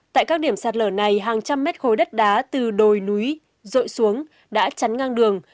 tại các điểm sạt lở này hàng trăm mét khối đất đá từ đồi núi rội xuống đã chắn ngang đường